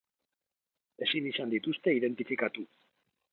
Ezin izan dituzte identifikatu.